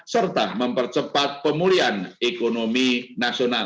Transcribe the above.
serta mempercepat pemulihan ekonomi nasional